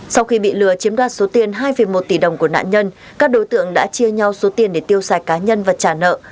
sau khi bị lừa chiếm đoạt số tiền hai một tỷ đồng của nạn nhân các đối tượng đã chia nhau số tiền để tiêu xài cá nhân và trả nợ